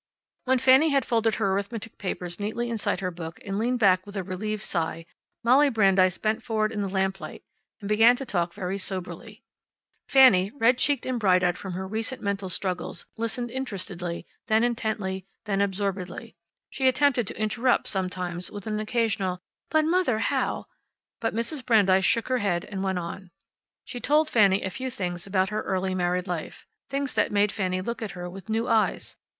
When Fanny had folded her arithmetic papers neatly inside her book and leaned back with a relieved sigh Molly Brandeis bent forward in the lamplight and began to talk very soberly. Fanny, red cheeked and bright eyed from her recent mental struggles, listened interestedly, then intently, then absorbedly. She attempted to interrupt, sometimes, with an occasional, "But, Mother, how " but Mrs. Brandeis shook her head and went on. She told Fanny a few things about her early married life things that made Fanny look at her with new eyes.